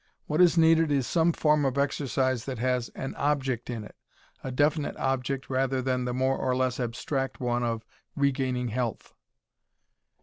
What is needed is some form of exercise that has an object in it a definite object, rather than the more or less abstract one of "regaining health."